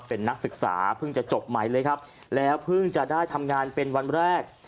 เป็นนักศึกษาเพิ่งจะจบใหม่เลยครับแล้วเพิ่งจะได้ทำงานเป็นวันแรก